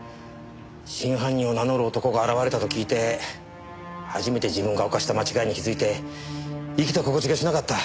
真犯人を名乗る男が現れたと聞いて初めて自分が犯した間違いに気づいて生きた心地がしなかった。